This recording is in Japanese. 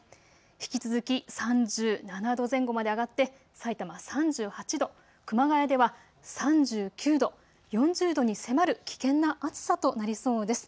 引き続き３７度前後まで上がってさいたま３８度、熊谷では３９度、４０度に迫る危険な暑さとなりそうです。